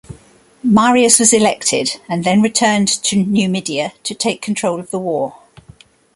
Marius was elected, and then returned to Numidia to take control of the war.